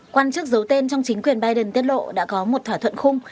quan chức giấu tên trong chính quyền biden tiết lộ đã có một thỏa thuận khung